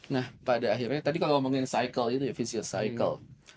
nah pada akhirnya tadi kalau ngomongin cycle itu ya vincer cycle